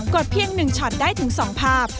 กดเพียงหนึ่งช็อตได้ถึงสองภาพ